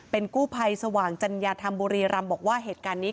กู้ภัยสว่างจัญญาธรรมบุรีรำบอกว่าเหตุการณ์นี้